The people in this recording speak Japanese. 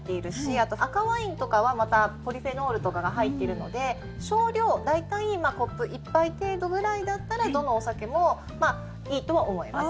あと赤ワインとかはまたポリフェノールとかが入ってるので少量、大体コップ１杯程度ぐらいだったらどのお酒も、いいとは思います。